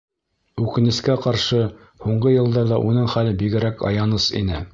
Үкенескә ҡаршы, һуңғы йылдарҙа уның хәле бигерәк аяныс ине.